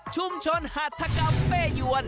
ชุมชนฮาตรกาเฟ่ยวน